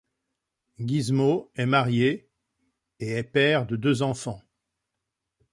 Guizmo est marié et est père de deux enfants.